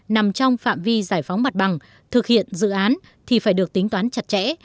nằm trong phạm vi giải phóng mặt bằng thực hiện dự án thì phải được tính toán chặt chẽ